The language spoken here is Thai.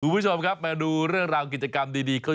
คุณผู้ชมครับมาดูเรื่องราวกิจกรรมดีก็